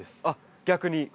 あっ逆に？